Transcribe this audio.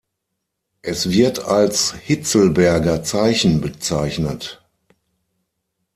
Es wird als Hitselberger-Zeichen bezeichnet.